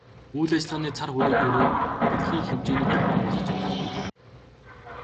Үйл ажиллагааны цар хүрээгээрээ дэлхийн хэмжээний компани болох зорилготой.